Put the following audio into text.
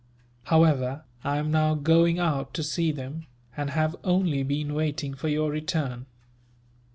However, I am now going out to see them, and have only been waiting for your return.